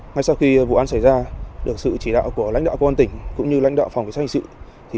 ngay sau khi vụ án xảy ra được sự chỉ đạo của lãnh đạo quân tỉnh cũng như lãnh đạo phòng giao dịch